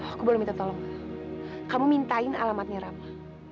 aku belum minta tolong kamu mintain alamatnya rama